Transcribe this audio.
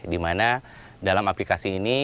di mana dalam aplikasi ini